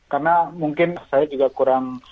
karena mungkin saya juga kurang